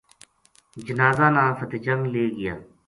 جنازہ نا فتح جنگ لے گیا